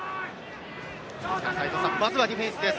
まずはディフェンスです。